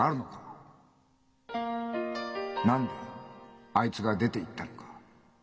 何であいつが出ていったのか。